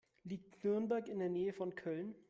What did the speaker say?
Liegt Nürnberg in der Nähe von Köln?